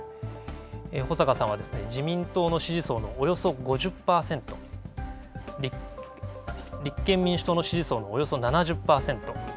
保坂さんは自民党の支持層のおよそ５０％立憲民主党の支持層のおよそ７０％。